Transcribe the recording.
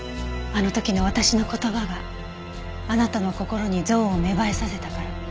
あの時の私の言葉があなたの心に憎悪を芽生えさせたから。